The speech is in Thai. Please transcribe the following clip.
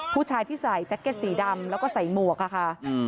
ผู้ชายที่ใส่แจ็คเก็ตสีดำแล้วก็ใส่หมวกค่ะ